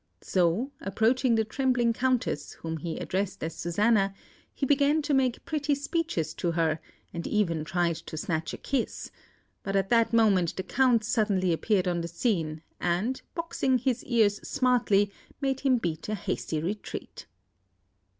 So, approaching the trembling Countess, whom he addressed as Susanna, he began to make pretty speeches to her, and even tried to snatch a kiss; but at that moment the Count suddenly appeared on the scene, and, boxing his ears smartly, made him beat a hasty retreat.